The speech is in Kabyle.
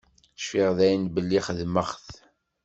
Cfiɣ daɣen belli xedmeɣ-t.